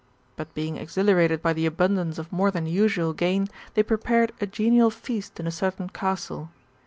But being exhilarated by the abundance of more than usual gain, they prepared a genial feast in a certain castle.